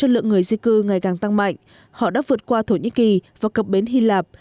lượng người di cư ngày càng tăng mạnh họ đã vượt qua thổ nhĩ kỳ và cập bến hy lạp